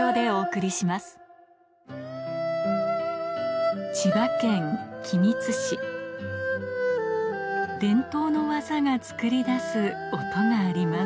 出川伝統の技が作り出す音があります